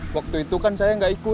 waktu itu kan saya nggak ikut